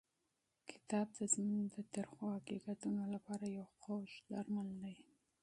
کتاب د ژوند د تریخو حقیقتونو لپاره یو خوږ درمل دی.